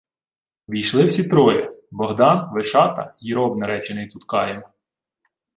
Ввійшли всі троє: Богдан, Вишата й роб, наречений Туткаєм.